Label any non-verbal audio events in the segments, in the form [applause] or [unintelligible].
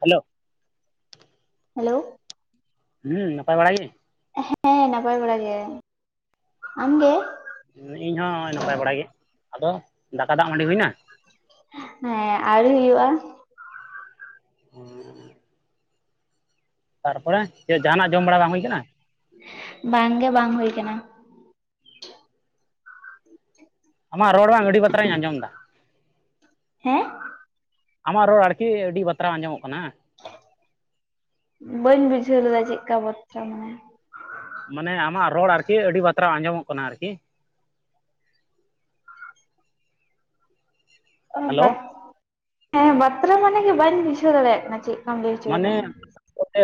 Hello hello ᱦᱩᱸ ᱱᱟᱯᱟᱭ ᱵᱟᱲᱟ ᱜᱮ? ᱦᱮᱸ ᱱᱟᱯᱟᱭ ᱵᱟᱲᱟ ᱜᱮ ᱟᱢ ᱜᱮ? ᱤᱧ ᱦᱚᱸ ᱱᱟᱯᱟᱭ ᱵᱟᱲᱟᱭ ᱜᱮ ᱟᱫᱚ ᱫᱟᱠᱟ ᱫᱟᱜ ᱢᱟᱹᱱᱰᱤ ᱦᱩᱭᱮᱱᱟ? ᱦᱮᱸ ᱟᱹᱣᱨᱤ ᱦᱩᱭᱩᱜᱼᱟ᱾ ᱦᱩᱸ ᱛᱟᱨᱯᱚᱨᱮ ᱪᱮᱫ ᱡᱟᱦᱟᱱᱟᱜ ᱡᱚᱢ ᱵᱟᱲᱟ ᱵᱟᱝ ᱦᱩᱭ ᱟᱠᱟᱱᱟ? ᱵᱟᱝᱜᱮ ᱵᱟᱝ ᱦᱩᱭ ᱠᱟᱱᱟ᱾ ᱟᱢᱟᱜ ᱨᱚᱲ ᱵᱟᱝ ᱟᱹᱰᱤ ᱵᱟᱛᱚᱨᱤᱧ ᱟᱸᱡᱚᱢ ᱫᱟ᱾ ᱦᱮᱸ ᱟᱢᱟᱜ ᱨᱚᱲ ᱟᱹᱲᱛᱤ ᱟᱹᱰᱤ ᱵᱟᱛᱨᱟ ᱟᱸᱡᱚᱢᱚᱜ ᱠᱟᱱᱟ᱾ ᱵᱟᱹᱧ ᱵᱩᱡᱷᱟᱹᱣ ᱞᱮᱫᱟ ᱪᱮᱫᱞᱮᱠᱟ ᱵᱚᱛᱨᱟ ᱢᱟᱱᱮ ᱢᱟᱱᱮ ᱟᱢᱟᱜ ᱨᱚᱲ ᱟᱨᱠᱤ ᱟᱹᱰᱤ ᱵᱟᱛᱨᱟ ᱟᱸᱡᱚᱢᱚᱜ ᱠᱟᱱᱟ ᱟᱨᱠᱤ ᱦᱮᱞᱳ ᱵᱟᱛ ᱵᱟᱛᱨᱟ ᱢᱟᱱᱮ ᱵᱟᱹᱧ ᱵᱩᱡᱷᱟᱹᱣ ᱫᱟᱲᱮᱭᱟᱜ ᱠᱟᱱᱟ ᱪᱮᱫ? ᱢᱟᱱᱮ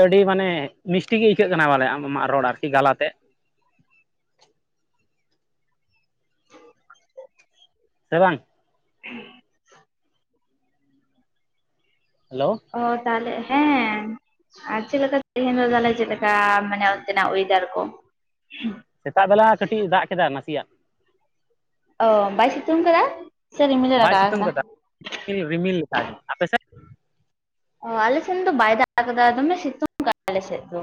ᱟᱹᱰᱤ ᱢᱟᱱᱮ ᱢᱤᱥᱴᱤ ᱜᱤ ᱟᱹᱭᱠᱟᱹᱜ ᱠᱟᱱᱟ ᱵᱚᱞᱮ ᱟᱢ ᱟᱢᱟᱜ ᱨᱚᱲ ᱟᱨᱠᱤ ᱜᱟᱞᱟᱛᱮᱡ ᱥᱮ ᱵᱟᱝ ᱦᱩᱸ ᱦᱮᱞᱳ ᱚ ᱛᱟᱦᱚᱞᱮ ᱦᱮᱸ ᱟᱨ ᱪᱮᱫᱮᱠᱟ ᱛᱮᱦᱮᱧ ᱫᱚ ᱛᱟᱦᱚᱞᱮ ᱪᱮᱫ ᱞᱮᱠᱟ ᱢᱟᱱᱮ ᱚᱱᱛᱮᱱᱟᱜ ᱚᱭᱮᱫᱟᱨ ᱠᱚ? ᱥᱮᱛᱟᱜ ᱵᱮᱞᱟ ᱠᱟᱹᱴᱤᱡ ᱫᱟᱜ ᱠᱮᱫᱟ ᱱᱟᱥᱮᱭᱟᱜ᱾ ᱚ ᱵᱟᱭ ᱥᱤᱛᱩᱝ ᱠᱟᱫᱟ? ᱥᱮ ᱨᱤᱢᱤᱞᱮ ᱵᱟᱭ ᱨᱟᱠᱟᱵ ᱥᱤᱛᱩᱝ ᱠᱟᱫᱟ ᱨᱤᱢᱤᱞ ᱨᱤᱢᱤᱞ ᱠᱟᱜᱼᱟᱭ [unintelligible] ᱟᱯᱮ ᱥᱮᱫ? ᱚ ᱟᱞᱮ ᱥᱮᱱ ᱫᱚ ᱵᱟᱭ ᱫᱟᱜ ᱠᱟᱫᱟ ᱫᱚᱢᱮ ᱥᱤᱛᱩᱝ ᱠᱟᱱ ᱟᱞᱮ ᱥᱮᱫ ᱫᱚ᱾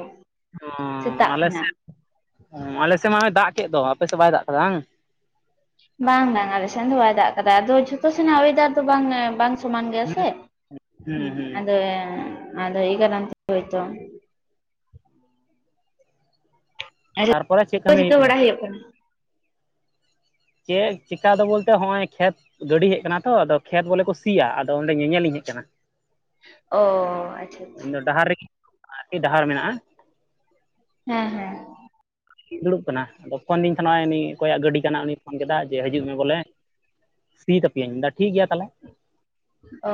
ᱚ ᱥᱮᱛᱟᱜ ᱟᱞᱮ ᱠᱷᱚᱱᱟᱜ ᱥᱮᱫ ᱟᱞᱮ ᱥᱮᱫ ᱢᱟᱭ ᱫᱟᱜ ᱠᱮᱫ ᱫᱚ, ᱟᱯᱮᱥᱮᱫ ᱵᱟᱭ ᱫᱟᱜ ᱟᱠᱟᱫᱟ ᱦᱟᱝ? ᱵᱟᱝ ᱵᱟᱝ ᱟᱞᱮ ᱥᱮᱱ ᱫᱚ ᱵᱟᱭ ᱫᱟᱜ ᱟᱠᱟᱫᱟ ᱟᱫᱚ ᱡᱷᱚᱛᱚ ᱥᱮᱱᱟᱜ ᱚᱭᱮᱫᱟᱨ ᱫᱚ ᱵᱟᱝ ᱵᱟᱝ ᱥᱢᱟᱱ ᱜᱮᱭᱟ ᱦᱩᱸ ᱥᱮ ᱦᱩᱸ ᱟᱫᱚ ᱟᱫᱚ ᱮᱭ ᱠᱟᱨᱚᱱ ᱛᱮ ᱦᱳᱭᱛᱚ᱾ ᱛᱟᱨᱯᱚᱨᱮ ᱪᱮᱫ [unintelligible] ᱠᱟᱹᱢᱤ ᱦᱩᱭᱩᱜ ᱪᱤᱠᱟᱹ ᱵᱟᱲᱟ ᱦᱳᱭᱳᱜ ᱠᱟᱱᱟ? ᱪᱮᱫ ᱪᱮᱠᱟ ᱫᱚ ᱵᱚᱞᱛᱮ ᱦᱚᱸᱜᱼᱚᱭ ᱠᱷᱮᱛ ᱜᱟᱹᱰᱤ ᱦᱮᱡ ᱠᱟᱱᱟ ᱛᱚ ᱟᱫᱚ ᱠᱷᱮᱛ ᱵᱚᱞᱮ ᱠᱚ ᱥᱤᱭᱟ ᱟᱫᱚ ᱚᱸᱰᱮ ᱧᱮᱧᱮ ᱞᱤᱧ ᱦᱮᱡ ᱠᱟᱱᱟ᱾ ᱚ ᱟᱪᱪᱷᱟ ᱟᱪᱪᱷᱟ ᱤᱧ ᱫᱚ ᱰᱟᱦᱟᱨ ᱨᱮᱜᱤ ᱟᱨᱠᱤ ᱰᱟᱦᱟᱨ ᱢᱮᱱᱟᱜ-ᱟ᱾ ᱦᱮᱸ ᱦᱮᱸ᱾ ᱫᱩᱲᱩᱵ ᱠᱟᱱᱟ ᱟᱫᱚ ᱯᱷᱳᱱ ᱫᱤᱧ ᱛᱮᱦᱮᱸ ᱱᱚᱶᱚᱭ ᱩᱱᱤ ᱚᱠᱚᱭᱟᱜ ᱜᱟᱹᱰᱤ ᱠᱟᱱᱟ ᱩᱱᱤᱭ ᱯᱷᱳᱱ ᱠᱮᱫᱟ ᱡᱮ ᱦᱟᱹᱡᱩᱜ ᱢᱮ ᱵᱚᱞᱮ, ᱥᱤᱭ ᱛᱟᱯᱤ ᱭᱟᱹᱧ ᱢᱮ ᱫᱟ ᱴᱷᱤᱠ ᱜᱮᱭᱟ ᱛᱟᱦᱚᱞᱮ᱾ ᱚ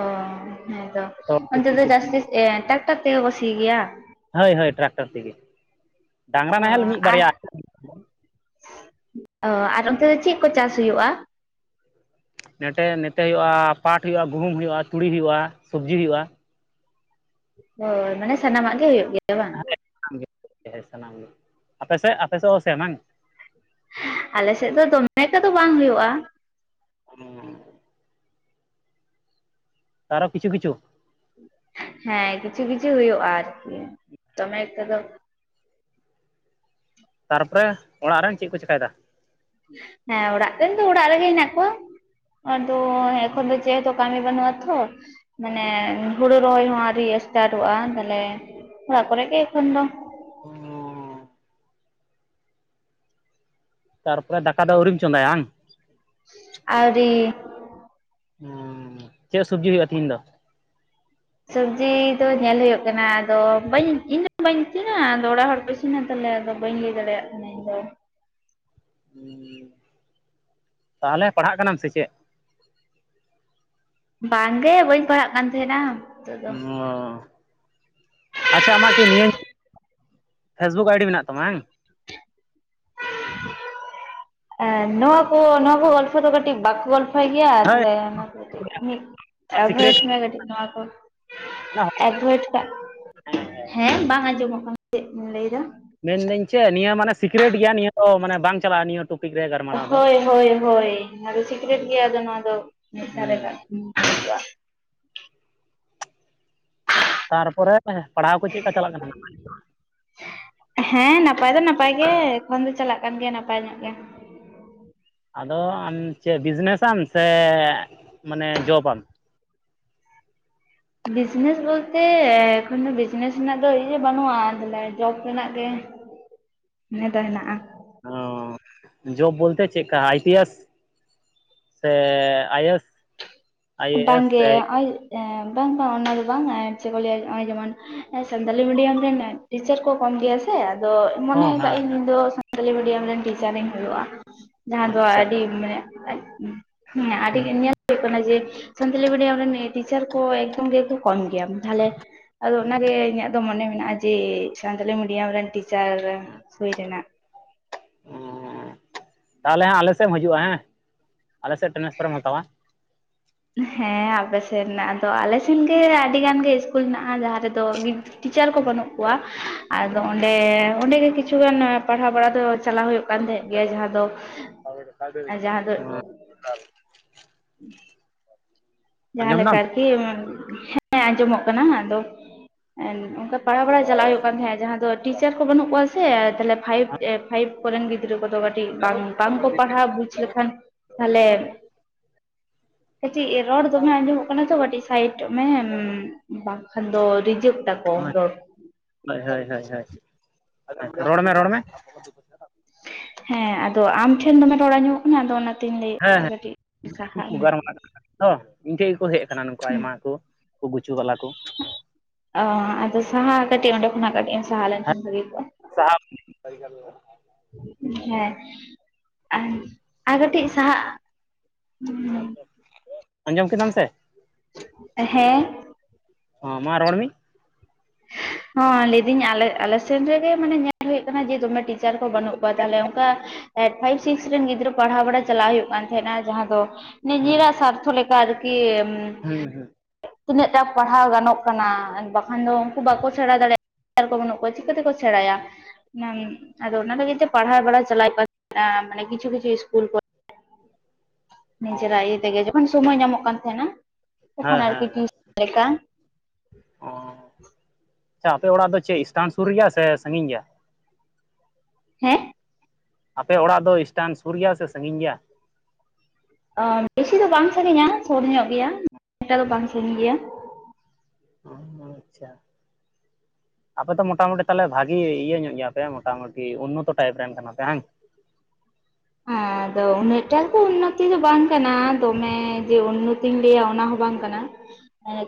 ᱦᱮᱸᱛᱚ ᱡᱚᱛᱚ ᱦᱚᱲ ᱠᱚ ᱚᱱᱛᱮ ᱥᱤ ᱫᱚ ᱠᱮᱫ ᱡᱟᱥᱛᱤ ᱮᱸ ᱴᱟᱠᱴᱟᱨ ᱛᱮᱜᱮ ᱠᱚ ᱥᱤᱭ ᱜᱮᱭᱟ? ᱦᱳᱭ ᱦᱳᱭ ᱴᱨᱟᱠᱴᱚᱨ ᱛᱤᱜᱩ ᱰᱟᱝᱨᱟ ᱚ ᱱᱟᱦᱮᱞ ᱢᱤᱜ ᱟᱨ ᱵᱟᱨᱭᱟ᱾ ᱚ ᱟᱨ ᱚᱱᱛᱮ ᱫᱚ ᱪᱤᱜ ᱠᱚ ᱪᱟᱥ ᱦᱩᱭᱩᱜ-ᱟ? ᱱᱮᱴᱮ ᱱᱮᱛᱮ ᱦᱩᱭᱩᱜ-ᱟ ᱯᱟᱴ ᱦᱩᱭᱩᱜ-ᱟ ᱜᱩᱦᱩᱢ ᱦᱩᱭᱩᱜ-ᱟ ᱛᱩᱲᱤ ᱦᱩᱭᱩᱜ-ᱟ ᱥᱚᱵᱽᱡᱤ ᱦᱩᱭᱩᱜ-ᱟ᱾ ᱦᱚᱸᱭ ᱢᱟᱱᱮ ᱥᱟᱱᱟᱢᱟᱜ ᱜᱮ ᱦᱩᱭᱩᱜ ᱜᱮᱭᱟ ᱵᱟᱝ? ᱮᱸᱜ ᱥᱟᱱᱟᱢ ᱜᱮ ᱛᱮᱦᱮᱸ [unintelligible] ᱟᱯᱮ ᱥᱮᱜ ᱟᱯᱮ ᱥᱮᱜ ᱦᱚᱸ ᱥᱮ ᱵᱟᱝ? ᱟᱞᱮ ᱥᱮᱫ ᱫᱚ ᱫᱚᱢᱮ ᱠᱚᱫᱚ ᱵᱟᱝ ᱦᱩᱭᱩᱜ-ᱟ᱾ [inaudible] ᱛᱟᱨᱚ ᱠᱤᱪᱷᱩ ᱠᱤᱪᱷᱩ? ᱦᱮᱸ ᱠᱤᱪᱷᱩ ᱠᱤᱪᱷᱩ ᱦᱩᱭᱩᱜ-ᱟ ᱟᱨᱠᱤ ᱫᱚᱢᱮ ᱮᱠᱴᱟ ᱫᱚᱼᱼ ᱛᱟᱨᱯᱚᱨᱮ ᱚᱲᱟᱜ ᱨᱮᱱ ᱪᱤᱜ ᱠᱚ ᱪᱤᱠᱟᱭ ᱫᱟ? ᱦᱮᱸ ᱚᱲᱟᱜ ᱨᱮᱱ ᱫᱚ ᱚᱲᱟᱜ ᱨᱮᱜᱮ ᱦᱮᱱᱟᱜ ᱠᱚᱣᱟ ᱟᱫᱚ ᱮᱠᱷᱚᱱ ᱫᱚᱼᱼ ᱪᱮᱜ ᱦᱚᱛᱚ ᱠᱟᱢᱤ ᱵᱟᱱᱩᱜ-ᱟ ᱛᱷᱚ ᱢᱟᱱᱮ ᱦᱩᱲᱩ ᱨᱚᱦᱚᱭ ᱦᱚᱸ ᱟᱣᱨᱤᱭᱟᱼᱼ ᱮᱥᱴᱟᱴᱚᱜ-ᱟ ᱛᱟᱦᱚᱞᱮ ᱚᱲᱟᱜ ᱠᱚᱨᱮ ᱜᱮ ᱮᱠᱷᱚᱱ ᱫᱚ᱾ ᱛᱟᱨᱯᱚᱨᱮ ᱫᱟᱠᱟ ᱫᱚ ᱟᱹᱣᱨᱤᱢ ᱪᱚᱸᱫᱟᱭᱟ ᱵᱟᱝ? ᱟᱣᱨᱤ᱾ ᱚᱸᱻ ᱪᱮᱜ ᱥᱚᱵᱽᱡᱤ ᱦᱩᱭᱩᱜ-ᱟ ᱛᱤᱦᱤᱧ ᱫᱚ? ᱥᱟᱹᱵᱽᱡᱤ ᱫᱚ ᱧᱮᱞ ᱦᱩᱭᱩᱜ ᱠᱟᱱᱟ, ᱟᱫᱚ ᱵᱟᱹᱧ ᱤᱧ ᱵᱟᱹᱧ ᱤᱥᱤᱱᱟ ᱟᱫᱚ ᱚᱲᱟᱜ ᱦᱚᱲ ᱠᱚ ᱤᱼᱼ ᱥᱤᱱᱟ ᱛᱟᱦᱚᱞᱮ ᱟᱫᱚ ᱵᱟᱹᱧ ᱞᱟᱹᱭ ᱫᱟᱲᱮᱭᱟᱜ ᱠᱟᱱᱟ ᱤᱧᱫᱚ᱾ ᱩᱸᱻ ᱛᱟᱦᱚᱞᱮ ᱯᱟᱲᱦᱟᱜ ᱠᱟᱱᱟᱢ ᱥᱮ ᱪᱮᱜ? ᱵᱟᱝ ᱜᱮ ᱵᱟᱹᱧ ᱯᱟᱲᱦᱟᱜ ᱠᱟᱱ ᱛᱟᱸᱦᱮᱱᱟ᱾ ᱚᱸᱻ ᱟᱪᱪᱷᱟ ᱟᱢᱟᱜ ᱠᱤ ᱱᱤᱭᱟᱹᱼᱼ ᱯᱷᱮᱥᱵᱩᱠ ᱟᱭᱰᱤ ᱢᱮᱱᱟᱜ ᱛᱟᱢᱟ ᱵᱟᱝ? ᱮ ᱱᱚᱣᱟ ᱠᱚ ᱱᱚᱣᱟ ᱠᱚ ᱜᱚᱞᱯᱷᱚ ᱫᱚ ᱠᱟᱹᱴᱤᱡ ᱵᱟᱠᱚ ᱜᱚᱞᱼᱼ ᱯᱷᱚᱭ ᱜᱮᱭᱟ ᱦᱳᱭ ᱛᱟᱦᱚᱞᱮ ᱱᱚᱶᱟ ᱠᱚ ᱠᱟᱹᱴᱤᱡ ᱦᱮᱸᱜ ᱥᱤᱠᱨᱮᱴ ᱮᱵᱷᱚᱭᱮᱰ ᱢᱮ ᱠᱟᱹᱴᱤᱡ ᱱᱚᱣᱟ ᱠᱚ᱾ ᱦᱳᱭ ᱮᱵᱜᱚᱭᱮᱰ ᱠᱟᱜ ᱦᱳᱭ ᱦᱮᱸ ᱵᱟᱝ ᱟᱸᱡᱚᱢᱚᱜ ᱠᱟᱱᱟ ᱪᱮᱜ ᱵᱤᱱ ᱞᱟᱹᱭ ᱫᱟ? ᱢᱮᱱ ᱫᱟᱹᱧ ᱪᱮᱜ ᱱᱤᱭᱟᱹ ᱢᱟᱱᱮ ᱥᱤᱠᱨᱮᱴ ᱜᱮᱭᱟ ᱱᱤᱭᱟᱹ ᱫᱚ ᱢᱟᱱᱮ ᱵᱟᱝ ᱪᱟᱞᱟᱜ-ᱟ ᱱᱤᱭᱟᱹᱼᱼ ᱴᱚᱯᱤᱠ ᱨᱮ ᱜᱟᱨᱼᱼ ᱦᱚᱭ ᱦᱚᱭ ᱦᱚᱭ ‌ᱦᱚᱭ ᱱᱚᱶᱟ ᱫᱚ ᱥᱤᱠᱨᱮᱴ ᱜᱮᱭᱟ ᱟᱫᱚ ᱱᱚᱣᱟ ᱫᱚ ᱢᱤᱫ ᱫᱷᱟᱨᱮ ᱠᱟᱜ ᱦᱩᱸ [inaudible] ᱛᱟᱨᱯᱚᱨᱮ ᱯᱟᱲᱦᱟᱣ ᱠᱚ ᱪᱮᱜ ᱠᱟ ᱪᱟᱞᱟᱜ ᱠᱟᱱᱟ? ᱦᱮᱸ ᱱᱟᱯᱟᱭ ᱫᱚ ᱱᱟᱯᱟᱭ ᱜᱮ ᱮᱠᱷᱚᱱ ᱫᱚ ᱪᱟᱞᱟᱜ ᱠᱟᱱ ᱜᱮᱭᱟ ᱱᱟᱯᱟᱭ ᱧᱚᱜ ᱜᱮ᱾ ᱟᱫᱚ ᱟᱢ ᱪᱮᱜ ᱵᱤᱡᱽᱱᱮ ᱥᱟᱢ ᱥᱮ ᱢᱟᱱᱮ ᱡᱚᱵᱟᱢ? ᱵᱤᱡᱽᱱᱮᱥ ᱵᱚᱞᱛᱮ ᱮᱠᱷᱚᱱᱚ ᱵᱤᱡᱽᱱᱮᱥ ᱨᱮᱱᱟᱜ ᱫᱚ ᱤᱭᱟᱹ ᱵᱟᱹᱱᱩᱜ-ᱟ ᱛᱚᱦᱞᱮ ᱡᱚᱵᱽ ᱨᱮᱱᱟᱜ ᱜᱮ ᱱᱮ ᱫᱚ ᱦᱮᱸᱱᱟᱜ-ᱟ᱾ ᱦᱚᱸᱻ ᱡᱚᱵᱽ ᱵᱚᱞᱛᱮ ᱪᱮᱜ ᱠᱟ ᱟᱭ ᱯᱤ ᱮᱥ? ᱥᱮ I S? I A S ᱰᱟᱝᱜᱮ ᱥᱮ ᱦᱚᱸᱜ-ᱚᱭᱼᱼ ᱮᱸ ᱵᱟᱝ ᱵᱟᱝ ᱚᱱᱟ ᱫᱚ ᱵᱟᱝ ᱪᱮᱜ ᱠᱚ ᱞᱟᱹᱭᱟ ᱱᱚᱸᱜ-ᱚᱸᱭ ᱡᱮᱢᱚᱱ ᱥᱟᱱᱛᱟᱞᱤ ᱢᱤᱰᱤᱭᱚᱢ ᱨᱮᱱ ᱴᱤᱪᱟᱨ ᱠᱚ ᱠᱚᱢ ᱜᱮᱭᱟᱥᱼᱼ ᱛᱮ ᱟᱫᱚ ᱢᱚᱱᱮ ᱦᱚᱸ ᱠᱟᱜ ᱦᱮᱸ ᱤᱧ ᱦᱮᱸ ᱤᱧ ᱫᱚ ᱥᱟᱱᱛᱟᱞᱤ ᱢᱤᱰᱤᱭᱟᱢ ᱨᱮᱱ ᱴᱤᱪᱟᱨ ᱤᱧ ᱦᱳᱭᱳᱜ-ᱟ᱾ ᱡᱟᱦᱟᱸ ᱫᱚ ᱟᱪᱪᱷᱟ ᱟᱰᱤ ᱢᱟᱱᱮ ᱟᱡ ᱩᱸ ᱦᱮᱸ ᱟᱰᱤ ᱜᱮ ᱧᱮᱞ ᱦᱩᱭᱩᱜ ᱠᱟᱱᱟ ᱡᱮᱼᱼ ᱥᱟᱱᱛᱟᱞᱤ ᱢᱤᱰᱤᱭᱟᱢ ᱨᱮᱱ ᱮ ᱴᱤᱪᱟᱨ ᱠᱚ ᱮᱠᱫᱚᱢ ᱜᱮᱠᱚ ᱠᱚᱢ ᱜᱮᱭᱟ ᱠᱚ ᱛᱟᱞᱦᱮᱼᱼ ᱟᱫᱚ ᱚᱱᱟ ᱜᱮ ᱤᱧᱟᱜ ᱫᱚ ᱢᱚᱱᱮ ᱢᱮᱱᱟᱜ-ᱟ ᱡᱮ ᱥᱟᱱᱛᱟᱞᱤ ᱢᱤᱰᱤᱭᱟᱢ ᱨᱮᱱ ᱴᱤᱪᱟᱨ ᱦᱩᱭ ᱨᱮᱱᱟᱜ᱾ ᱚᱸᱻ ᱛᱟᱦᱚᱞᱮ ᱦᱟᱸᱜ ᱟᱞᱮ ᱥᱮᱜ ᱮᱢ ᱦᱟᱹᱡᱩᱜ-ᱟ ᱦᱮᱸ ᱟᱞᱮ ᱥᱮᱜ ᱴᱮᱱᱮᱥᱯᱟᱨ ᱮᱢ ᱦᱟᱛᱟᱣ-ᱟ᱾ ᱦᱮᱸ ᱟᱯᱮ ᱥᱮᱜ ᱨᱮᱱᱟᱜ ᱟᱫᱚ ᱟᱞᱮ ᱥᱮᱱ ᱜᱮ ᱟᱰᱤ ᱜᱟᱱ ᱜᱮ ᱤᱥᱠᱩᱞ ᱦᱮᱱᱟᱜ-ᱟ ᱡᱟᱦᱟᱸ ᱨᱮᱫᱚ ᱜᱤᱫᱽᱼᱼ ᱴᱤᱪᱟᱨ ᱠᱚ ᱵᱟᱹᱱᱩᱜ ᱠᱚᱣᱟ ᱟᱫᱚ ᱚᱸᱰᱮ ᱚᱸᱰᱮ ᱜᱮ ᱠᱤᱪᱷᱩᱜᱟᱱ ᱯᱟᱲᱦᱟᱣ ᱵᱟᱲᱟ ᱫᱚ ᱪᱟᱞᱟᱣ ᱦᱩᱭᱩᱜ ᱠᱟᱱ ᱛᱟᱦᱮᱸᱫ ᱜᱮ ᱡᱟᱦᱟᱸ ᱫᱚ ᱡᱟᱦᱟᱸ ᱫᱚ [unintelligible] [unintelligible] [inaudible] ᱡᱟᱦᱟᱸᱞᱮᱠᱟ ᱫᱟᱢ ᱟᱨᱠᱤ ᱦᱮᱸ ᱟᱸᱡᱚᱢᱚᱜ ᱠᱟᱱᱟ ᱟᱫᱚ ᱚᱱᱠᱟ ᱯᱟᱲᱦᱟᱣ ᱵᱟᱲᱟ ᱪᱟᱞᱟᱜ ᱦᱩᱭᱩᱜ ᱠᱟᱱ ᱛᱟᱦᱮᱸᱫ ᱡᱟᱦᱟᱸ ᱫᱚ ᱴᱤᱪᱟᱨ ᱠᱚ ᱵᱟᱹᱱᱩᱜ ᱠᱚᱣᱟ ᱥᱮ ᱛᱟᱞᱦᱮ ᱯᱷᱟᱭᱤᱵᱽ ᱯᱷᱟᱭᱤᱵᱽ ᱠᱚᱨᱮᱱ ᱜᱤᱫᱽᱨᱟᱹ ᱠᱚᱫᱚ ᱠᱟᱹᱴᱤᱡ ᱵᱟᱝ ᱵᱟᱝᱠᱚ ᱯᱟᱲᱦᱟᱣ ᱵᱩᱡᱷᱟᱹ ᱵᱩᱡᱷᱚ ᱞᱮᱠᱷᱟᱱ ᱛᱟᱦᱚᱞᱮ ᱠᱟᱹᱴᱤᱡ ᱨᱚᱲ ᱫᱚᱢᱮ ᱟᱸᱡᱚᱢᱚᱜ ᱠᱟᱱᱟ ᱛᱚ ᱠᱟᱹᱴᱤᱡ ᱥᱟᱭᱤᱰᱚᱜ ᱢᱮ ᱵᱟᱝᱠᱷᱟᱱ ᱫᱚ ᱨᱤᱡᱮᱠᱴ ᱟᱠᱚ ᱨᱚᱲ ᱦᱳᱭ ᱦᱳᱭ ᱦᱳᱭ ᱦᱳᱭ ᱨᱚᱲᱢᱮ ᱨᱚᱲ ᱢᱮ ᱦᱮᱸ ᱟᱫᱚ ᱟᱢ ᱴᱷᱮᱱ ᱫᱚᱢᱮ ᱨᱚᱲ ᱟᱧᱡᱚᱢ ᱠᱟᱱᱟ ᱟᱫᱚ ᱚᱱᱟᱛᱤᱧ ᱦᱮᱸ ᱞᱟᱹᱭᱮᱫᱟ ᱠᱟᱹᱴᱤᱡ ᱥᱟᱦᱟᱜ ᱢᱮ ᱚ ᱤᱧ ᱴᱷᱮᱡ ᱜᱮᱠᱩ ᱦᱮᱡ ᱠᱟᱱᱟ ᱱᱚᱩᱠᱩ ᱟᱭᱢᱟ ᱠᱚ ᱜᱩᱪᱩ ᱵᱟᱞᱟ ᱠᱚ ᱟᱻ ᱟᱫᱚ ᱥᱟᱦᱟ ᱠᱟᱥᱟᱦᱟᱠᱚᱼᱟ ᱠᱟᱹᱴᱤᱡ ᱚᱱᱰᱮ ᱠᱷᱚᱱᱟᱜ ᱠᱟᱹᱴᱤᱡ ᱥᱟᱦᱟ ᱞᱮᱱ ᱠᱷᱟᱱ ᱵᱟᱹᱜᱤ‌ᱠᱩᱼᱟ ᱥᱟᱦᱟᱜ [unintelligible] ᱦᱮᱸ ᱟᱨ ᱟᱨ ᱠᱟᱹᱴᱤᱡ ᱥᱟᱦᱟᱜ ᱟᱸᱡᱚᱢ ᱠᱮᱫᱟᱢ ᱥᱮ ᱦᱮᱸ ᱢᱟ ᱨᱚᱲ ᱢᱤ ᱦᱚ ᱞᱟᱹᱭᱫᱟᱹᱧ ᱟᱞᱮ ᱟᱞᱮ ᱥᱮᱱ ᱨᱮᱜᱮ ᱢᱟᱱᱮ ᱧᱮᱞ ᱦᱩᱭᱩᱜ ᱠᱟᱱᱟ ᱡᱮ ᱫᱚᱢᱮ ᱴᱤ ᱪᱟᱨ ᱠᱚ ᱵᱟᱹᱱᱩᱜ ᱠᱚᱣᱟ ᱛᱟᱦᱞᱮ ᱚᱝᱠᱟ ᱮ ᱯᱷᱟᱭᱤᱵᱷ ᱥᱤᱠᱥ ᱨᱮᱱ ᱜᱤᱫᱽᱨᱟᱹ ᱯᱟᱲᱦᱟᱣ ᱵᱟᱲᱟ ᱪᱟᱞᱟᱜ ᱦᱩᱭᱩᱜ ᱠᱟᱱ ᱛᱟᱦᱮᱸᱱᱟ ᱡᱟᱦᱟᱸ ᱫᱚ ᱦᱮᱸ ᱱᱤᱡᱮᱨᱟᱜ ᱥᱟᱨᱛᱷᱚ ᱞᱮᱠ ᱠᱟ ᱟᱨᱠᱤ ᱦᱩᱸ ᱛᱤᱱᱟᱹᱜ ᱴᱟ ᱯᱟᱲᱦᱟᱣ ᱜᱟᱱᱚᱜ ᱠᱟᱱᱟ ᱵᱟᱠᱷᱟᱱ ᱫᱚ ᱵᱟᱠᱩ ᱥᱮᱬᱟ ᱫᱟᱲᱮᱭᱟᱜ [inaudible] ᱪᱟᱨ ᱠᱚ ᱵᱟᱹᱱᱩᱜ ᱠᱚᱣᱟ ᱪᱤᱠᱟᱹᱛᱮ ᱠᱚ ᱥᱮᱬᱟᱭᱟ ᱱᱟᱹᱱ ᱟᱫᱚ ᱚᱱᱟ ᱛᱮ ᱜᱮ ᱛᱚ ᱯᱟᱲᱦᱟᱣ ᱵᱟᱲᱟ ᱪᱟᱞᱟᱣᱮᱫ ᱠᱚᱣᱟ ᱢᱟᱱᱮ ᱠᱤᱪᱷᱩ ᱠᱤᱪᱷᱩ ᱤᱥᱠᱩᱞ ᱠᱚᱨᱮ [unintelligible] ᱚ ᱱᱤᱡᱮᱨᱟᱜ ᱤᱭᱟᱹ ᱛᱮᱜᱮ ᱡᱚᱠᱷᱚᱱ ᱥᱚᱢᱚᱭ ᱧᱟᱢᱚᱜ ᱠᱟᱱ ᱛᱟᱦᱮᱱᱟ ᱦᱮᱸ ᱛᱚᱠᱷᱚᱱ ᱟᱨᱠᱤ ᱴᱤᱭᱳᱥᱚᱱ ᱞᱮᱠᱟ ᱚᱦᱻ [unintelligible] ᱟᱪᱪᱷᱟ ᱟᱯᱮ ᱚᱲᱟᱜ ᱫᱚ ᱥᱴᱟᱱ ᱥᱩᱨ ᱨᱮᱭᱟ ᱥᱮ ᱥᱟᱺᱜᱤᱧ ᱜᱮᱭᱟ? ᱦᱮᱸ ᱟᱯᱮ ᱚᱲᱟᱜ ᱫᱚ ᱥᱴᱟᱱ ᱥᱩᱨ ᱜᱮᱭᱟ ᱥᱮ ᱥᱟᱺᱜᱤᱧ ᱜᱮᱭᱟ? ᱵᱮᱥᱤ ᱫᱚ ᱵᱟᱝ ᱥᱟᱺᱜᱤᱧᱟ ᱥᱩᱨ ᱧᱚᱜ ᱜᱮᱭᱟ ᱤᱱᱟᱹᱜᱴᱟ ᱫᱚ ᱵᱟᱝ ᱥᱟᱺᱜᱤᱧ ᱜᱮᱭᱟ ᱟᱪᱪᱷᱟ, ᱟᱯᱮ ᱛᱚ ᱢᱚᱴᱟᱟᱢᱩᱴᱤ ᱛᱟᱦᱚᱞᱮ ᱵᱷᱟᱜᱤ ᱤᱭᱟᱹ ᱧᱚᱜ ᱭᱟᱯᱮ ᱢᱚᱴᱟ ᱢᱩᱴᱤ ᱩᱱᱱᱚᱛᱚ ᱴᱟᱭᱤᱯ ᱨᱮᱱ ᱠᱟᱱᱟᱯᱮ ᱦᱟᱝ? ᱟᱨ ᱟᱫᱚ ᱩᱱᱟᱹᱜ ᱴᱟᱜ ᱫᱚ ᱩᱱᱱᱚᱛᱤ ᱫᱚ ᱵᱟᱝ ᱠᱟᱱᱟ ᱫᱚᱢᱮ ᱡᱮ ᱩᱱᱱᱚᱛᱤᱧ ᱞᱟᱹᱭᱟ ᱚᱱᱟ ᱦᱚᱸ ᱵᱟᱝ ᱠᱟᱱᱟ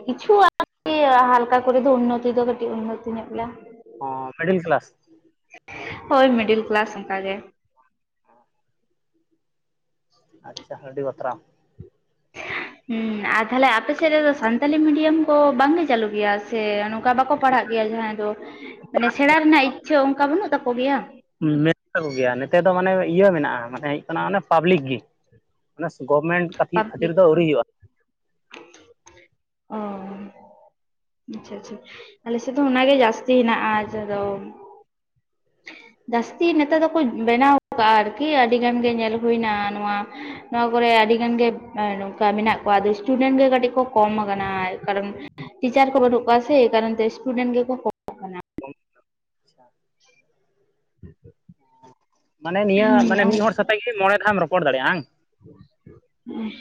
ᱠᱤᱪᱷᱩ ᱟᱨᱠᱤ ᱦᱟᱞᱠᱟ ᱠᱚᱨᱮ ᱫᱚ ᱩᱱᱱᱚᱛᱤ ᱫᱚ ᱠᱟᱹᱴᱤᱡ ᱩᱱᱱᱚᱛᱤ ᱧᱚᱜ ᱞᱮᱭᱟ ᱚ ᱢᱤᱰᱤᱞ ᱠᱞᱟᱥ ᱦᱳᱭ ᱢᱤᱰᱤᱞ ᱠᱞᱟᱥ ᱚᱝᱠᱟᱜᱮ ᱟᱪᱪᱷᱟ ᱟᱹᱰᱤ ᱵᱟᱛᱨᱟᱢ [unintelligible] ᱦᱤᱸ ᱟᱨ ᱛᱟᱦᱚᱞᱮ ᱟᱯᱮᱥᱮᱫ ᱨᱮᱫᱚ ᱥᱟᱱᱛᱟᱞᱤ ᱢᱤᱰᱤᱭᱟᱢ ᱠᱚ ᱵᱟᱝᱜᱮ ᱪᱟᱹᱞᱩ ᱜᱮᱭᱟ ᱥᱮ ᱱᱚᱝᱠᱟ ᱵᱟᱠᱚ ᱯᱟᱲᱦᱟᱜ ᱜᱮᱭᱟ ᱡᱟᱦᱟᱸᱭ ᱫᱚ ᱢᱟᱱᱮ ᱥᱮᱬᱟ ᱨᱮᱱᱟᱜ ᱤᱪᱪᱷᱟᱹ ᱚᱱᱠᱟ ᱵᱟᱹᱱᱩᱜ ᱛᱟᱠᱚ ᱜᱮᱭᱟ ᱢᱮᱱᱟᱜ ᱛᱟᱠᱚ ᱜᱮᱭᱟ ᱱᱤᱛᱮ ᱫᱚ ᱢᱟᱱᱮ ᱤᱭᱟᱹ ᱢᱮᱱᱟᱜᱼᱟ ᱢᱟᱱᱮ ᱦᱩᱭᱩᱜ ᱠᱟᱱᱟ ᱚᱱᱮ ᱯᱟᱵᱽᱞᱤᱠ ᱜᱤ ᱢᱟᱱᱮ ᱜᱚᱵᱷᱢᱮᱱᱴ [unintelligible] ᱯᱟᱵᱽᱞᱤᱠ ᱠᱷᱟᱹᱛᱤᱨ ᱫᱚ ᱟᱹᱣᱨᱤ ᱦᱩᱭᱩᱜᱼᱟ ᱚ ᱟᱪᱪᱷᱟ ᱟᱪᱪᱷᱟ ᱟᱞᱮ ᱥᱮᱫ ᱫᱚ ᱚᱱᱟᱜᱮ ᱡᱟᱹᱥᱛᱤ ᱦᱮᱱᱟᱜᱼᱟ ᱡᱟ ᱫᱚ ᱡᱟᱥᱛᱤ ᱱᱮᱛᱟᱨ ᱫᱚᱠᱚ ᱵᱮᱱᱟᱣ ᱟᱠᱟᱜ-ᱟ ᱟᱨᱠᱤ ᱟᱹᱰᱤ ᱜᱟᱱ ᱜᱮ ᱧᱮᱞ ᱦᱩᱭᱱᱟ ᱱᱚᱣᱟ ᱼᱼ ᱱᱚᱣᱟ ᱠᱚᱨᱮ ᱟᱹᱰᱤ ᱜᱟᱱ ᱜᱮ ᱱᱚᱝᱠᱟ ᱢᱮᱱᱟᱜ ᱠᱚᱣᱟ ᱟᱫᱚ ᱥᱴᱩᱰᱮᱱᱴ ᱜᱮ ᱠᱟᱹᱴᱤᱡ ᱠᱚ ᱠᱚᱢ ᱼᱼ ᱠᱟᱱᱟ ᱠᱟᱨᱚᱱ ᱴᱤᱪᱟᱨ ᱠᱚ ᱵᱟᱹᱱᱩᱜ ᱠᱚᱣᱟ ᱥᱮ ᱮᱭ ᱠᱟᱨᱚᱱ ᱛᱮ ᱥᱴᱩᱰᱮᱱᱴ ᱜᱮᱠᱚ ᱠᱚ [unintelligible] ᱢᱟᱱᱮ ᱱᱤᱭᱟᱹ ᱢᱟᱱᱮ ᱦᱩᱸ ᱢᱤᱫ ᱦᱚᱲ ᱠᱟ ᱛᱮᱜᱤ ᱢᱚᱬᱮ ᱫᱷᱟᱣᱮᱢ ᱨᱚᱯᱚᱲ ᱫᱟᱲᱮᱭᱟᱼᱟ ᱦᱟᱝ?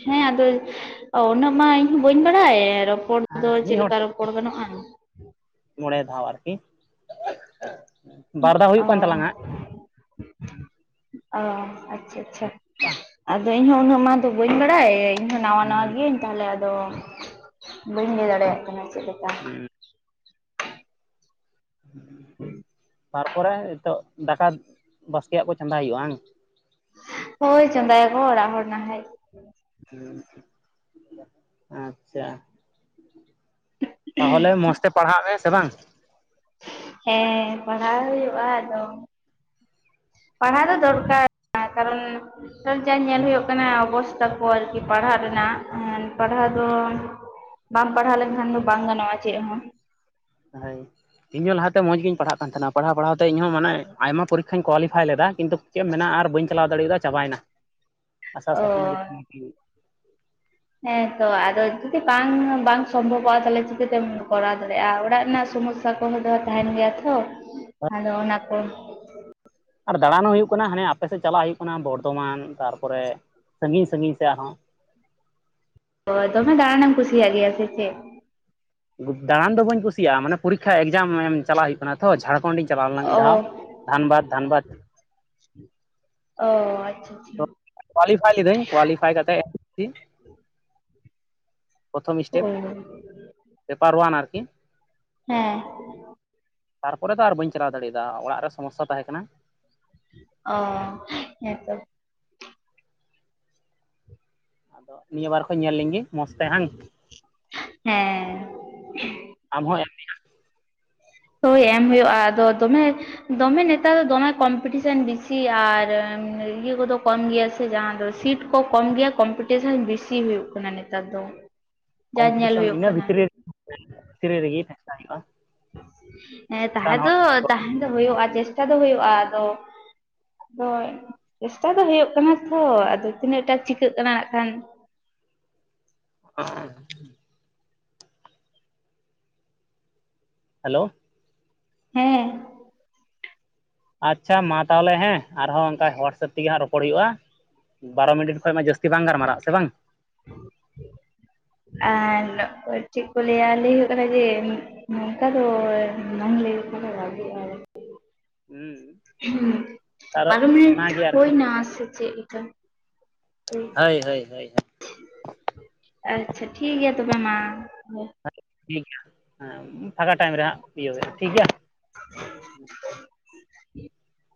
ᱦᱮᱸ ᱟᱫᱚ ᱩᱱᱟᱹᱜ ᱢᱟ ᱤᱧ ᱦᱚᱸ ᱵᱟᱹᱧ ᱵᱟᱲᱟᱭ ᱨᱚᱯᱚᱲ ᱫᱚ ᱦᱮᱸ ᱪᱮᱫ ᱢᱤᱫ ᱦᱚᱲ ᱞᱮᱠᱟ ᱥᱟᱛᱮᱜ ᱨᱚᱯᱚᱲ ᱜᱟᱱᱚᱜᱼᱟ ᱢᱚᱬᱮ ᱫᱷᱟᱣ ᱟᱨᱠᱤ ᱾ ᱚᱻ ᱚ ᱟᱪᱪᱷᱟ ᱟᱪᱪᱷᱟ ᱵᱟᱝ ᱟᱫᱚ ᱤᱧ ᱦᱚᱸ ᱩᱱᱟᱹᱜ ᱢᱟ ᱫᱚ ᱵᱟᱹᱧ ᱵᱟᱲᱟᱭ ᱤᱧ ᱦᱚᱸ ᱱᱟᱣᱟ ᱱᱟᱣᱟ ᱦᱮᱸ ᱦᱮᱸ ᱜᱤᱭᱟᱹᱧ ᱛᱟᱦᱞᱮ ᱟᱫᱚ ᱵᱟᱹᱧ ᱞᱟᱹᱭ ᱫᱟᱲᱮᱭᱟᱜ ᱠᱟᱱᱟ ᱪᱮᱫ ᱞᱮᱠᱟ ᱾ [unintelligible] ᱛᱟᱨᱯᱚᱨᱮ ᱱᱤᱛᱚᱜ ᱫᱟᱠᱟ ᱵᱟᱥᱠᱮ ᱭᱟᱜ ᱠᱚ ᱪᱚᱸᱫᱟ ᱦᱩᱭᱩᱜ-ᱟ ᱵᱟᱝ? ᱦᱳᱭ ᱪᱚᱫᱟᱭᱟ ᱠᱚ ᱚᱲᱟᱜ ᱦᱚᱲ ᱱᱟᱦᱟᱭ ᱦᱩᱸ ᱟᱪᱪᱷᱟ ᱛᱟᱦᱚᱞᱮ ᱢᱚᱸᱡᱽ ᱛᱮ ᱯᱟᱲᱦᱟᱜ ᱢᱮ ᱥᱮ ᱵᱟᱝ ᱦᱮᱸ ᱯᱟᱲᱦᱟᱣ ᱦᱩᱭᱩᱜᱼᱟ ᱟᱫᱚ ᱾ ᱯᱟᱲᱦᱟᱣ ᱫᱚ ᱫᱚᱨᱠᱟᱨ ᱠᱟᱨᱚᱱ ᱼᱼ ᱥᱚᱵᱽ ᱡᱟ ᱧᱮᱞ ᱦᱩᱭᱩᱜ ᱦᱮᱸ ᱠᱟᱱᱟ ᱚᱵᱚᱥᱛᱟ ᱠᱚ ᱟᱨᱠᱤ ᱯᱟᱲᱦᱟᱜ ᱨᱮᱱᱟᱜ ᱯᱟᱲᱦᱟᱣ ᱫᱚ ᱵᱟᱢ ᱯᱟᱲᱦᱟᱣ ᱞᱮᱱᱠᱷᱟᱱ ᱫᱚ ᱵᱟᱝ ᱜᱟᱱᱚᱜ-ᱟ ᱪᱮᱫ ᱦᱚᱸ ᱾ ᱤᱧᱦᱚᱸ ᱞᱟᱦᱟᱛᱮ ᱢᱚᱸᱡᱽ ᱜᱤᱧ ᱯᱟᱲᱦᱟᱜ ᱠᱟᱱ ᱛᱟᱦᱮᱱᱟ ᱯᱟᱲᱦᱟᱣ ᱯᱟᱲᱦᱟᱣ ᱛᱮ ᱤᱧᱦᱚᱸ ᱢᱟᱱᱮ ᱟᱭᱢᱟ ᱯᱚᱨᱤᱠᱷᱟᱧ ᱠᱳᱣᱟᱞᱤᱯᱷᱟᱭ ᱞᱮᱫᱟ ᱾ ᱠᱤᱱᱛᱩ ᱪᱮᱫ ᱮᱢ ᱢᱮᱱᱟ ᱟᱨ ᱵᱟᱹᱧ ᱪᱟᱞᱟᱣ ᱫᱟᱲᱮ ᱭᱟᱫᱟ ᱪᱟᱵᱟ ᱭᱮᱱᱟ ᱟᱥᱟ ᱚ ᱥᱚᱯᱱᱚ [unintelligible] ᱦᱮᱸᱛᱚ ᱟᱫᱚ ᱡᱩᱫᱤ ᱵᱟᱝ ᱵᱟᱝ ᱥᱚᱢᱵᱷᱚᱵᱚᱜ-ᱟ ᱛᱟᱦᱚᱞᱮ ᱪᱤᱠᱟᱹᱛᱮᱢ ᱼᱼ ᱠᱚᱨᱟᱣ ᱫᱟᱲᱮᱭᱟᱜ-ᱟ ᱚᱲᱟᱜ ᱨᱮᱱᱟᱜ ᱥᱚᱢᱚᱥᱥᱟ ᱠᱚᱦᱚᱸ ᱫᱚ ᱛᱟᱦᱮᱱ ᱜᱮᱭᱟ ᱛᱚ ᱟᱫᱚ ᱚᱱᱟ ᱠᱚ ᱼᱼ ᱟᱨ ᱫᱟᱬᱟᱱ ᱦᱚᱸ ᱦᱩᱭᱩᱜ ᱠᱟᱱᱟ ᱦᱟᱱᱮ ᱟᱯᱮ ᱥᱮᱫ ᱪᱟᱞᱟᱜ ᱦᱩᱭᱩᱜ ᱠᱟᱱᱟ ᱵᱚᱨᱫᱷᱚᱢᱟᱱ ᱛᱟᱨᱯᱚᱨᱮ ᱥᱟᱺᱜᱤᱧ ᱥᱟᱺᱜᱤᱧ ᱥᱮᱫ ᱟᱨᱦᱚᱸ ᱾ ᱦᱳᱭ ᱫᱚᱢᱮ ᱫᱟᱬᱟᱱᱮᱢ ᱠᱩᱥᱤᱭᱟᱜ ᱜᱮᱭᱟ ᱥᱮ ᱪᱮᱫ? ᱫᱟᱬᱟᱱ ᱫᱚ ᱵᱟᱹᱧ ᱠᱩᱥᱤᱭᱟᱜ-ᱟ ᱢᱟᱱᱮ ᱯᱩᱨᱤᱠᱷᱟ ᱮᱠᱡᱟᱢ ᱮᱢ ᱪᱟᱞᱟᱜ ᱦᱩᱭᱩᱜ ᱠᱟᱱᱟ ᱛᱚ ᱡᱷᱟᱲᱠᱷᱚᱸᱰᱤᱧ ᱪᱟᱞᱟᱣ ᱞᱮᱱᱟ ᱢᱤᱫ ᱚ ᱫᱷᱟᱣ ᱾ ᱫᱷᱟᱱᱵᱟᱫᱽ ᱫᱷᱟᱱᱵᱟᱫᱽ ᱚᱻ ᱟᱪᱪᱷᱟ ᱟᱪᱪᱷᱟ ᱠᱳᱣᱟᱞᱤᱯᱷᱟᱭ ᱞᱤᱫᱟᱹᱧ ᱠᱳᱣᱟᱞᱤᱯᱷᱟᱭ ᱠᱟᱛᱮ [unintelligible] ᱯᱨᱚᱛᱷᱚᱢ ᱤᱥᱴᱮᱯ ᱚ ᱯᱮᱯᱟᱨ ᱚᱣᱟᱱ ᱟᱨᱠᱤ ᱦᱮᱸ ᱛᱟᱨᱯᱚᱨᱮ ᱫᱚ ᱟᱨ ᱵᱟᱹᱧ ᱪᱟᱞᱟᱣ ᱫᱟᱲᱮᱭᱟ ᱫᱟ ᱚᱲᱟᱜ ᱨᱮ ᱥᱚᱢᱚᱥᱥᱟ ᱛᱟᱦᱮᱸ ᱠᱟᱱᱟ ᱾ ᱚᱻ ᱦᱮᱸᱛᱚ ᱟᱫᱚ ᱱᱤᱭᱟᱹ ᱵᱟᱨ ᱠᱷᱚᱡ ᱧᱮᱞ ᱞᱤᱧ ᱜᱤ ᱢᱚᱸᱡᱽ ᱛᱮ ᱦᱟᱝ ᱦᱮᱸ ᱟᱢ ᱦᱚᱸ ᱮᱢ ᱢᱮ ᱦᱟᱜ ᱦᱳᱭ ᱮᱢ ᱦᱩᱭᱩᱜ-ᱟ ᱟᱫᱚ ᱫᱚᱢᱮ ᱼᱼ ᱫᱚᱢᱮ ᱱᱮᱛᱟᱨ ᱫᱚ ᱫᱚᱢᱮ ᱠᱚᱢᱯᱤᱴᱤᱥᱮᱱ ᱵᱤᱥᱤ ᱟᱨ ᱤᱭᱟᱹ ᱠᱚᱫᱚ ᱠᱚᱢ ᱜᱮᱭᱟ ᱥᱮ ᱡᱟᱦᱟᱸ ᱫᱚ ᱥᱤᱴ ᱾ ᱠᱚ ᱠᱚᱢ ᱜᱮᱭᱟ ᱠᱚᱢᱯᱤᱴᱤᱥᱮᱱ ᱵᱮᱥᱤ ᱦᱩᱭᱩᱜ ᱠᱟᱱᱟ ᱱᱮᱛᱟᱨ ᱫᱚ ᱾ ᱠᱚᱢᱯᱤᱴᱤᱥᱚᱱ ᱤᱱᱟᱹ [unintelligible] ᱵᱷᱤᱛᱨᱤ ᱨᱮ ᱵᱷᱤᱛᱨᱤ ᱨᱮᱜᱮ [unintelligible] ᱦᱩᱭᱩᱜ-ᱟ᱾ ᱦᱮᱸ ᱛᱟᱦᱮᱸ ᱫᱚ ᱛᱟᱦᱮ ᱫᱚ ᱦᱩᱭᱩᱜᱼᱟ, ᱪᱮᱥᱴᱟ ᱫᱚ ᱦᱩᱭᱩᱜᱼᱟ ᱟᱫᱚ ᱼᱼ ᱟᱫᱚ ᱪᱮᱥᱴᱟ ᱫᱚ ᱦᱩᱭᱩᱜ ᱠᱟᱱᱟ ᱛᱚ ᱟᱫᱚ ᱛᱤᱱᱟᱹᱜ ᱴᱟ ᱪᱤᱠᱟᱹᱜ ᱠᱟᱱᱟ ᱱᱟᱜ ᱠᱷᱟᱱ ᱾ [inaudible] ᱦᱮᱞᱳ ᱦᱮᱸ᱾ ᱟᱪᱪᱷᱟ ᱢᱟ ᱛᱟᱦᱚᱞᱮ ᱦᱮᱸ ᱟᱨᱦᱚᱸ ᱚᱱᱠᱟ ᱚᱳᱣᱟᱴᱥᱮᱯ ᱛᱮᱜᱮ ᱦᱟᱸᱜ ᱨᱚᱯᱚᱲ ᱦᱩᱭᱩᱜ-ᱟ, ᱵᱟᱨᱚ ᱢᱤᱱᱤᱴ ᱠᱷᱚᱡ ᱢᱟ ᱡᱟᱹᱥᱛᱤ ᱼᱼ [unintelligible] ᱜᱟᱨᱢᱟᱨᱟᱜᱼᱟ ᱥᱮ ᱵᱟᱝ? ᱟᱨ ᱪᱮᱫ ᱠᱚ ᱞᱟᱹᱭᱟ ᱞᱟᱹᱭ ᱦᱩᱭᱩᱜ ᱠᱟᱱᱟ ᱡᱮ ᱼᱼ ᱱᱚᱝᱠᱟ ᱫᱚ [unintelligible] ᱞᱟᱹᱭ ᱦᱩᱭᱩᱜ ᱠᱟᱱᱟ ᱵᱷᱟᱜᱤᱼᱟᱼᱼᱼ ᱦᱩᱸ [unintelligible] ᱦᱩᱸ ᱟᱨ ᱵᱟᱨᱚ ᱢᱤᱱᱤᱴ ᱚᱱᱟᱜᱮ ᱟᱨᱠᱤ ᱦᱩᱭᱱᱟ ᱥᱮ ᱪᱮ ᱞᱮᱠᱟ ᱦᱳᱭ ᱼ ᱦᱳᱭ ᱼ ᱦᱳᱭ ᱼᱦᱳᱭ ᱟᱪᱪᱷᱟ ᱴᱷᱤᱠ ᱜᱮᱭᱟ ᱛᱚᱵᱮ ᱢᱟ ᱴᱷᱤᱠ ᱜᱮᱮᱭᱟ ᱦᱮᱸ ᱯᱷᱟᱸᱠᱟ ᱴᱟᱭᱤᱢ ᱨᱮ ᱨᱮᱦᱜᱸ ᱤᱭᱟᱹ ᱦᱩᱭᱩᱜᱼᱟ ᱴᱷᱤᱠ ᱜᱮᱮᱭᱟ᱾ [unintelligible]